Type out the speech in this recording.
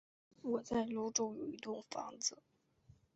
我在芦洲有一栋房子